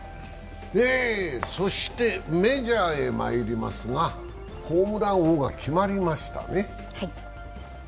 そしてメジャーへまいりますが、ホームラン王が決まりましたね。